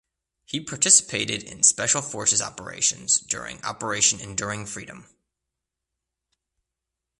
He participated in special forces operations during Operation Enduring Freedom.